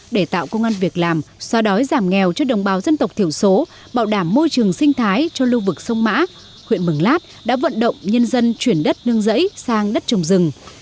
để tạo công an việc làm xóa đói giảm nghèo cho đồng bào dân tộc thiểu số bảo đảm môi trường sinh thái cho lưu vực sông mã huyện mường lát đã vận động nhân dân chuyển đất nương rẫy sang đất trồng rừng